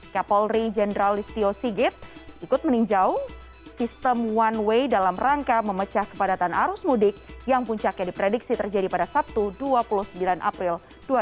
kapolri jenderal listio sigit ikut meninjau sistem one way dalam rangka memecah kepadatan arus mudik yang puncaknya diprediksi terjadi pada sabtu dua puluh sembilan april dua ribu dua puluh